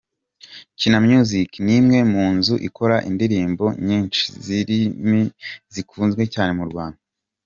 Kina Music ni imwe mu nzu ikora indirimbo nyinshi zirimi izikunzwe cyane mu Rwanda.